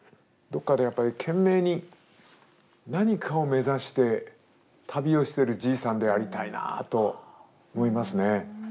どっかでやっぱり懸命に何かを目指して旅をしてるじいさんでありたいなと思いますね。